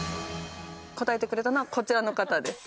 答えてくれたのはこちらの方です。